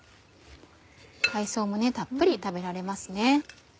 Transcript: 海藻もたっぷり食べられますね。